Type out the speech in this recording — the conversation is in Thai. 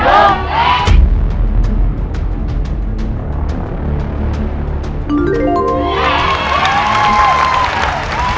รุ่นลีก